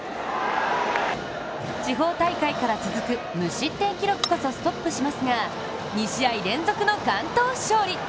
地方大会から続く無失点記録こそストップしますが２試合連続の完投勝利。